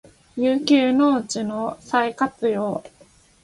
遊休農地の再活用